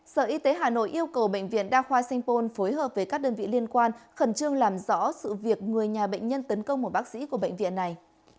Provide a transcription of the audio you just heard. sở y tế hà nội yêu cầu bệnh viện đa khoa sanh pôn phối hợp với các đơn vị liên quan khẩn trương làm rõ sự việc người nhà bệnh nhân tấn công một bác sĩ của bệnh viện này